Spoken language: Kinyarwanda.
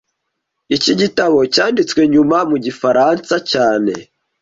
Iki gitabo cyanditswe nyuma mu gifaransa cyane